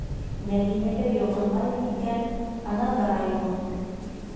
Мәҙинәгә йоғонмайың икән - ана бара юлың!